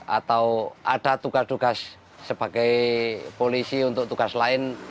atau ada tugas tugas sebagai polisi untuk tugas lain